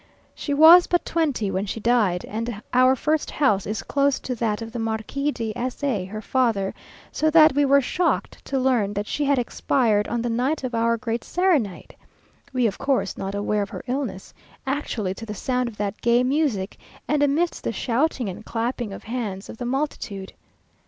She was but twenty when she died; and our first house is close to that of the Marquis de S a, her father, so that we were shocked to learn that she had expired on the night of our great serenade (we, of course, not aware of her illness), actually to the sound of that gay music, and amidst the shouting and clapping of hands of the multitude.